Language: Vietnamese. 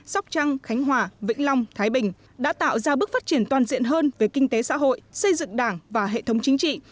sóc trăng khánh hòa vĩnh long thái bình đã tạo ra bước phát triển toàn diện hơn về kinh tế xã hội xây dựng đảng và hệ thống chính trị